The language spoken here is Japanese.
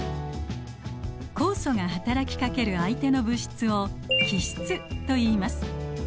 酵素がはたらきかける相手の物質を基質といいます。